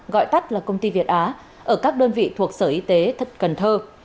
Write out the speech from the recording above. gọi tắt là công ty việt á ở các đơn vị thuộc sở y tế thật cần thơ